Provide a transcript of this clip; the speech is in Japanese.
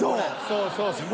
そうそうそう。